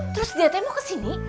terus dia teman kesini